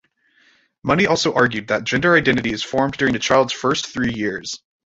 Money also argued that gender identity is formed during a child's first three years.